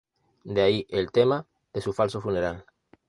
De ahí el tema de su falso funeral.